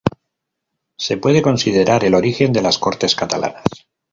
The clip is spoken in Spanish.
Se puede considerar el origen de las Cortes Catalanas.